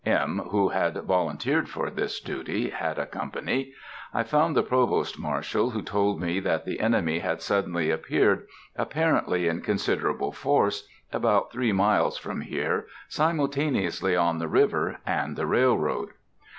M., who had volunteered for this duty, had a company. I found the Provost Marshal, who told me that the enemy had suddenly appeared, apparently in considerable force, about three miles from here, simultaneously on the river and the railroad.